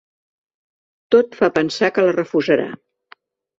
Tot fa pensar que la refusarà.